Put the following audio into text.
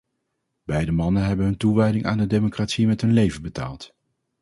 Beide mannen hebben hun toewijding aan de democratie met hun leven betaald.